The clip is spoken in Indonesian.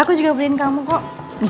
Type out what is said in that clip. aku juga beliin kamu kok